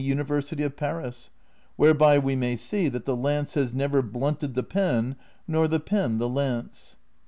University of Paris ; whereby we may see that the lance has never blunted the pen, nor the pen the lance."